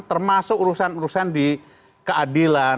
termasuk urusan urusan di keadilan